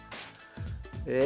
え？